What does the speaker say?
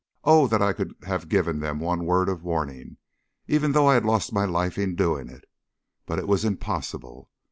Oh! that I could have given them one word of warning, even though I had lost my life in doing it! but it was impossible.